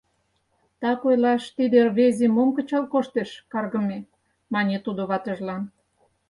— Так ойлаш, тиде рвезе мом кычал коштеш, каргыме! — мане тудо ватыжлан.